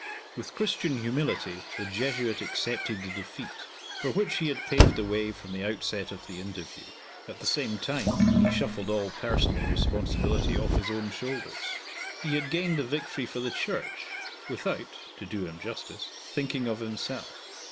With Christian humility the Jesuit accepted the defeat, for which he had paved the way from the outset of the interview. At the same time, he shuffled all personal responsibility off his own shoulders. He had gained the victory for the Church without (to do him justice) thinking of himself.